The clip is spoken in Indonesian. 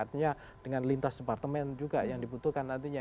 artinya dengan lintas departemen juga yang dibutuhkan nantinya